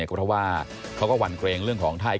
ก็เพราะว่าเขาก็หวั่นเกรงเรื่องของไทย